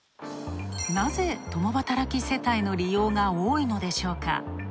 なぜ共働き世帯の利用が多いのでしょうか。